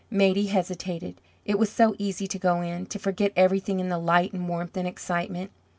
Maidie hesitated. It was so easy to go in, to forget everything in the light and warmth and excitement.